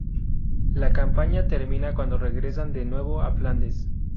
La campaña termina cuando regresan de nuevo a Flandes.